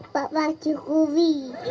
pak pak cukuri